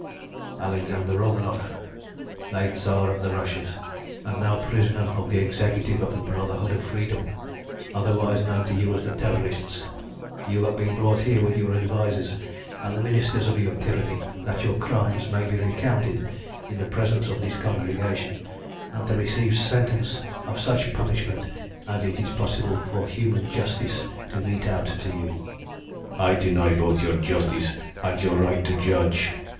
"Alexander Romanoff, late Tsar of the Russias, and now prisoner of the Executive of the Brotherhood of Freedom, otherwise known to you as the Terrorists you have been brought here with your advisers and the ministers of your tyranny that your crimes may be recounted in the presence of this congregation, and to receive sentence of such punishment as it is possible for human justice to mete out to you" [Illustration: "Two bayonets crossed in front of him with a sharp clash." See page 359.] "I deny both your justice and your right to judge.